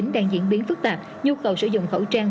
đang diễn biến phức tạp nhu cầu sử dụng khẩu trang